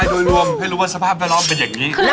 คิดน้อยรวมให้รู้ว่าสภาพไวรอลเป็นแบบนี้